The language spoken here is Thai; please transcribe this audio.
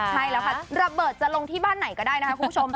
ใช่แล้วค่ะระเบิดจะลงที่บ้านไหนก็ได้นะคะคุณผู้ชม